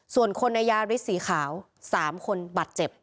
ส่วนคนในยาฤทธิ์สีขาว๓คนบัตรเจ็บ